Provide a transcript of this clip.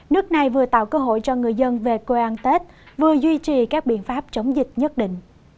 nước này vừa tạo cơ hội cho người dân về quê an tết vừa duy trì các biện pháp chống dịch nhất định